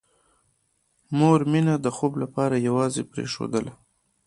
مور مينه د خوب لپاره یوازې پرېښودله